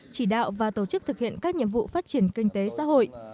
chỉ đạo và tổ chức thực hiện các nhiệm vụ phát triển kinh tế xã hội